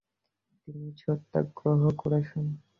তিনি সত্যাগ্রহ করেছেন ।